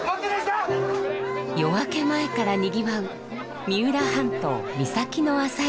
夜明け前からにぎわう三浦半島三崎の朝市。